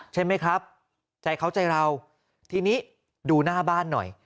ใช่ไหมครับใจเขาใจเราทีนี้ดูหน้าบ้านหน่อย